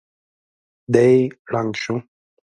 دی ړنګ شو.